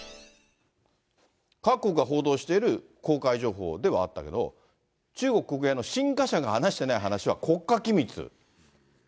各国が報道している公開情報ではあったけど、中国国営の新華社が話してない話は国家機密。